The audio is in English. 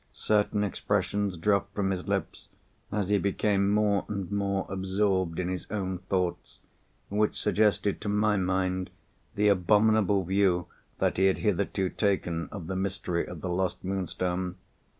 Certain expressions dropped from his lips, as he became more and more absorbed in his own thoughts, which suggested to my mind the abominable view that he had hitherto taken of the mystery of the lost Moonstone.